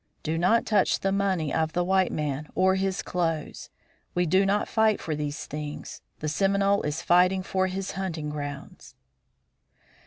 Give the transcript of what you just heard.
Do not touch the money of the white man or his clothes. We do not fight for these things. The Seminole is fighting for his hunting grounds."